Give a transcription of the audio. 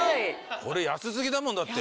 これ安すぎだもんだって・